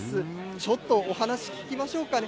ちょっとお話聞きましょうかね。